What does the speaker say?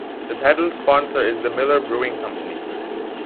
The title sponsor is the Miller Brewing Company.